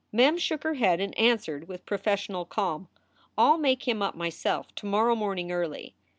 Mem shook her head and answered, with professional calm, "I ll make him up, myself, to morrow morning early."